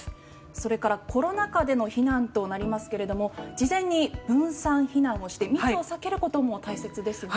それからコロナ禍での避難となりますが事前に分散避難をして密を避けることも大切ですね。